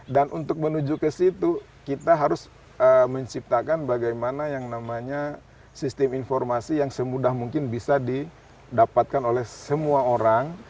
dan untuk menuju ke situ kita harus menciptakan bagaimana yang namanya sistem informasi yang semudah mungkin bisa didapatkan oleh semua orang